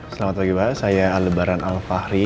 selamat pagi saya aldebaran al fahri